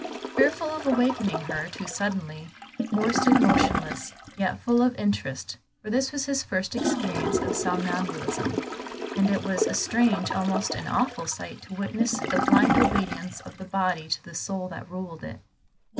Fearful of awakening her too suddenly, Moor stood motionless, yet full of interest, for this was his first experience of somnambulism, and it was a strange, almost an awful sight, to witness the blind obedience of the body to the soul that ruled it.